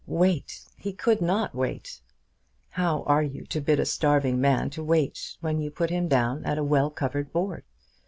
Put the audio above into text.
Wait! He could not wait. How are you to bid a starving man to wait when you put him down at a well covered board?